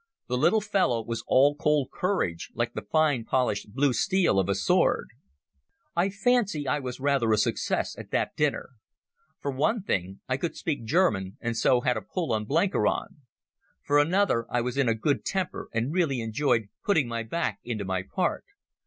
The little fellow was all cold courage, like the fine polished blue steel of a sword. I fancy I was rather a success at that dinner. For one thing I could speak German, and so had a pull on Blenkiron. For another I was in a good temper, and really enjoyed putting my back into my part.